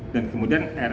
dan kemudian rr